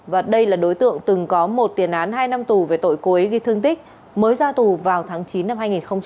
và đây là đối tượng từng có một tiền án hai năm tù về tội cuối ghi thương tích mới ra tù vào tháng chín năm hai nghìn hai mươi